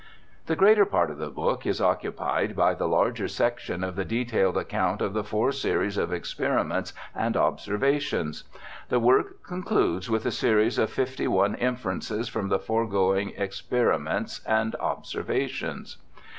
The greater part of the book is occupied by the larger section of the detailed account of the four series of experiments and observations. The work concludes with a series of fifty one inferences from the foregoing experiments and observations.